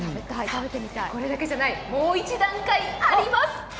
これだけじゃない、もう一段階あります。